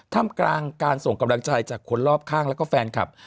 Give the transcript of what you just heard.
ทำกลางการส่งกำลังใจจากคนรอบข้างแล้วก็แฟนคลับ